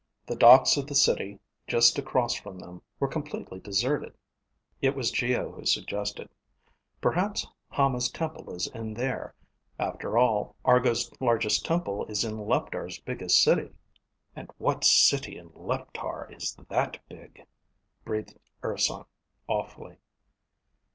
The docks of the city just across from them were completely deserted. It was Geo who suggested, "Perhaps Hama's temple is in there. After all, Argo's largest temple is in Leptar's biggest city." "And what city in Leptar is that big?" breathed Urson, awfully.